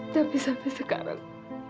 tapi sampai sekarang